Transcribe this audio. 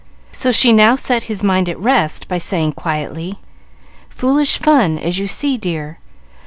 So she now set his mind at rest by saying, quietly. "Foolish fun, as you see, dear.